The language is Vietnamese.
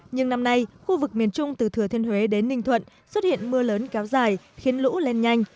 nhưng năm nay khu vực miền trung từ thừa thiên huế đến ninh thuận xuất hiện mưa lớn kéo dài khiến lũ lên nhanh